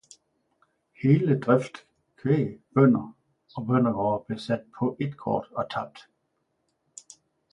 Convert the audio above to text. Hele drift kvæg, bønder og bøndergårde blev satte på ét kort og tabt.